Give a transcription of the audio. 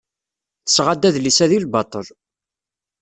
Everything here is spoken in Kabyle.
Tesɣa-d adlis-a deg lbaṭel.